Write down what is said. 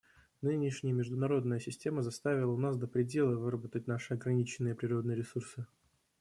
Нынешняя международная система заставила нас до предела выработать наши ограниченные природные ресурсы.